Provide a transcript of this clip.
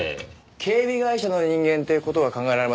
警備会社の人間っていう事は考えられませんか？